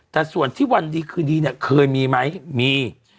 แต่ส่วนที่วันดีคืนดีเนี่ยเคยมีไหมมี